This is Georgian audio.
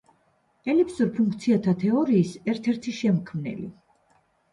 ელიფსურ ფუნქციათა თეორიის ერთ-ერთი შემქმნელი.